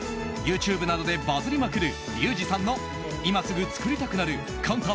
ＹｏｕＴｕｂｅなどでバズりまくるリュウジさんの今すぐ作りたくなる簡単！